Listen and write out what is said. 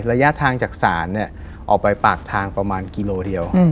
ระยะทางจากศาลออกไปปากทางประมาณกิโลเดียว